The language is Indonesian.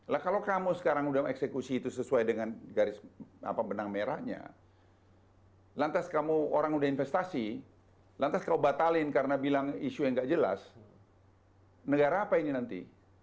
lah kalau kamu sekarang udah eksekusi itu sesuai dengan garis benang merahnya lantas kamu orang udah investasi lantas kamu batalin karena bilang isu yang gak jelas negara apa ini nanti